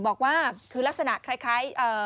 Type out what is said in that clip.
บอกว่าคือลักษณะคล้าย